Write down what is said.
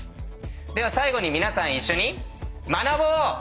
では最後に皆さん一緒に学ぼう！